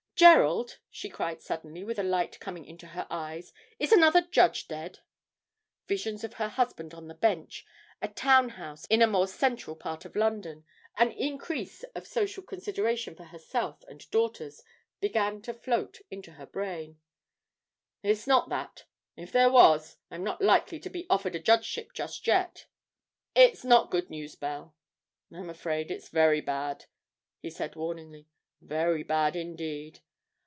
Gerald,' she cried suddenly, with a light coming into her eyes, 'is another judge dead?' Visions of her husband on the Bench, a town house in a more central part of London, an increase of social consideration for herself and daughters, began to float into her brain. 'It's not that if there was, I'm not likely to be offered a judgeship just yet; it's not good news, Belle, I'm afraid it's very bad,' he said warningly, 'very bad indeed.'